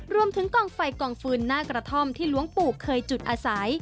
รวมถึงกองไฟกองฟืนหน้ากระท่อมที่หลวงปู่เคยจุดอาศัย